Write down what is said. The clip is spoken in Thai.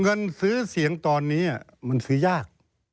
เงินซื้อเสียงตอนนี้มันซื้อยาก